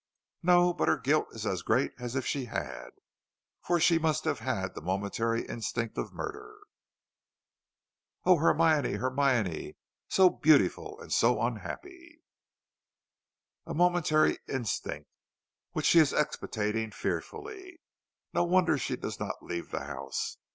"No, but her guilt is as great as if she had, for she must have had the momentary instinct of murder." "O Hermione, Hermione! so beautiful and so unhappy!" "A momentary instinct, which she is expiating fearfully. No wonder she does not leave the house.